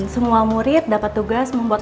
semua murid dapat tugas membuat